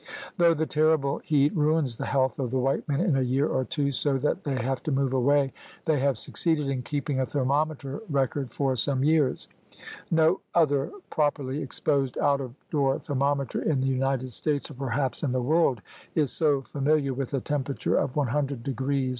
Though the terrible heat ruins the health of the white men in a year or two, so that they have to move away, they have succeeded in keeping a thermometer record for some years. No other properly exposed, out of door thermometer in the United States, or perhaps THE GARMENT OF VEGETATION 113 in the world, is so familiar with a temperature of 100° F.